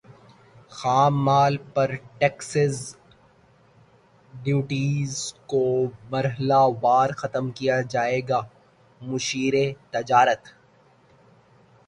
خام مال پر ٹیکسز ڈیوٹیز کو مرحلہ وار ختم کیا جائے گا مشیر تجارت